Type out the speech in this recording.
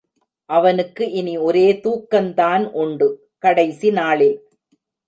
அவனுக்கு இனி ஒரே தூக்கந்தான் உண்டு—கடைசிநாளில்.